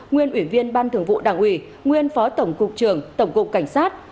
nguyên ủy viên ban thường vụ đảng ủy nguyên phó tổng cục trường tổng cục cảnh sát